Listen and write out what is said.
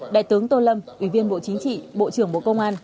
đại tướng tô lâm ủy viên bộ chính trị bộ trưởng bộ công an